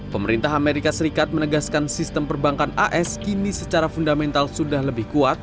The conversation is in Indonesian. pemerintah amerika serikat menegaskan sistem perbankan as kini secara fundamental sudah lebih kuat